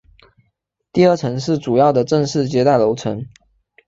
第二层是主要的正式接待楼层。